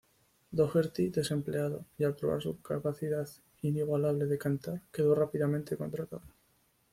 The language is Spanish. Doherty, desempleado y al probar su capacidad inigualable de cantar, quedó rápidamente contratado.